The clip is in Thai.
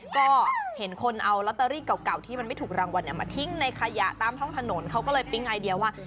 ก็เห็นคนเอาลอตเตอรี่เก่าที่มันไม่ถูกรางวัลมาทิ้งในขยะตามท่องถนนเขาก็เลยปิ๊งไอเดียว่า